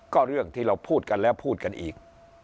ก็เรื่องที่เราพูดกันแล้วพูดกันอีก